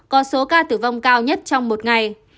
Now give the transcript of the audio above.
có số ca tử vong cao nhất trong một ngày